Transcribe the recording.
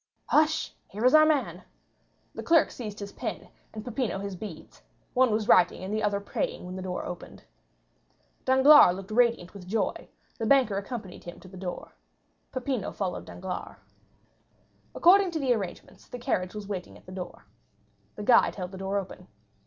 "Hush—here is our man!" The clerk seized his pen, and Peppino his beads; one was writing and the other praying when the door opened. Danglars looked radiant with joy; the banker accompanied him to the door. Peppino followed Danglars. According to the arrangements, the carriage was waiting at the door. The guide held the door open.